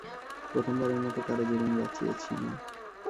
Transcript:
প্রথমবারের মতো কারো জীবন বাঁচিয়েছি, মা।